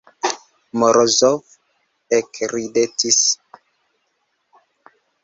Morozov ekridetis.